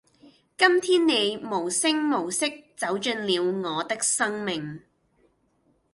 今天你無聲無息走進了我的生命